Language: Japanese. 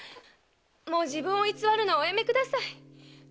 もう自分を偽るのはおやめください！